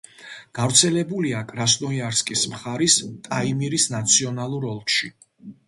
გავრცელებულია კრასნოიარსკის მხარის ტაიმირის ნაციონალურ ოლქში.